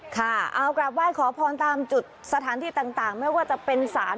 ค่ะเอากราบไหว้ขอพรตามจุดสถานที่ต่างไม่ว่าจะเป็นศาล